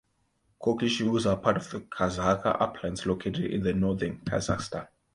Kokshetau hills are part of the Kazakh Uplands located in the northern Kazakhstan.